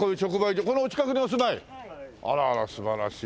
あらあら素晴らしい。